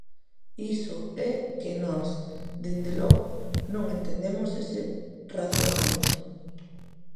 Iso é que nós, dende logo, non entendemos ese razoamento.